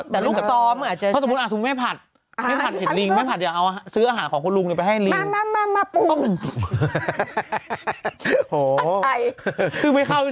แล้วห่อมันมาขนาดนี้ด้วย